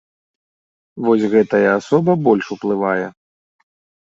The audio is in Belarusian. Вось гэтая асоба больш уплывае.